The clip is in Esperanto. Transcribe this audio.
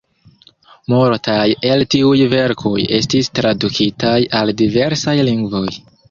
Multaj el tiuj verkoj estis tradukitaj al diversaj lingvoj.